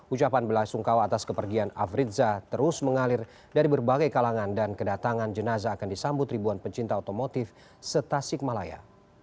ucapan bela sungkawa atas kepergian afridzah terus mengalir dari berbagai kalangan dan kedatangan jenazah akan disambut ribuan pencinta otomotif se tasik malaya